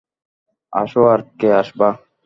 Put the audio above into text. আসো আর কে আসবা?